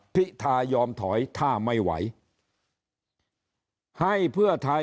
พิทายอมถอยถ้าไม่ไหวให้เพื่อไทย